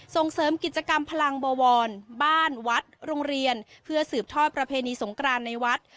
ส่งเสริมกิจกรรมพลังบวรบ้านวัดโรงเรียนเพื่อสืบทอดประเพณีสงกรานในวัด